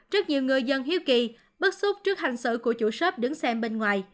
rất nhiều người dân hiếu kỳ bất xúc trước hành xử của chủ shop đứng xem bên ngoài